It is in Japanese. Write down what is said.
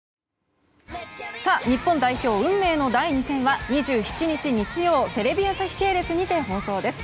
日本代表、運命の第２戦は２７日、日曜テレビ朝日系列にて放送です。